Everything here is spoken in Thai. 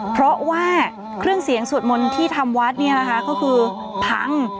เพราะว่าเครื่องเสียงสวดมนต์ที่ทำวัดเนี่ยนะคะก็คือพัง